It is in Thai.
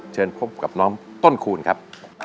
เชิญพบกับน้องต้นคูณครับ